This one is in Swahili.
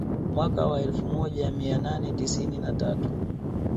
Mwaka wa elfu moja mia nane tisini na tatu